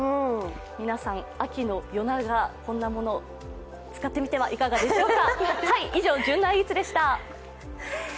秋の夜長、こんなものを使ってみてはいかがでしょうか。